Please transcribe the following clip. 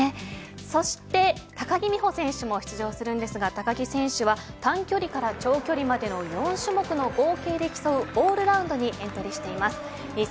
そして、高木美帆選手も出場しますが高木選手は短距離から長距離までの４種目の合計で競うオールラウンドにエントリーしています。